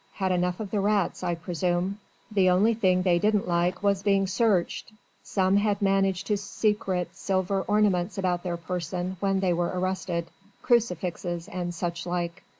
Had enough of the rats, I presume. The only thing they didn't like was being searched. Some had managed to secrete silver ornaments about their person when they were arrested. Crucifixes and such like.